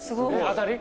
当たり。